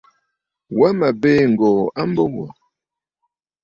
Wa mə̀ biì ŋ̀gòò a mbo wò.